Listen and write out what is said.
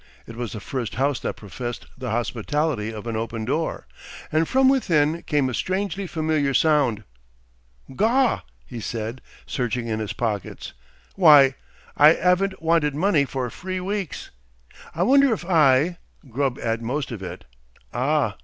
It was the first house that professed the hospitality of an open door, and from within came a strangely familiar sound. "Gaw!" he said searching in his pockets. "Why! I 'aven't wanted money for free weeks! I wonder if I Grubb 'ad most of it. Ah!"